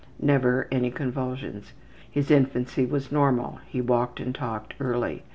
Never any convulsions. His infancy was normal. He walked and talked early.